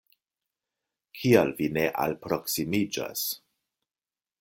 Kial vi ne alproksimiĝas?